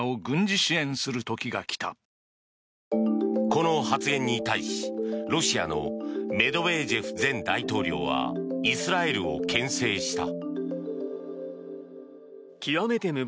この発言に対し、ロシアのメドベージェフ前大統領はイスラエルをけん制した。